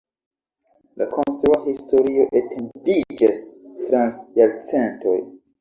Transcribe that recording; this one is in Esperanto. La konstrua historio etendiĝas trans jarcentoj.